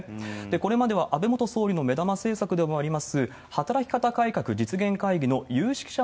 これまでは安倍元総理の目玉政策でもあります、働き方改革実現会議の有識者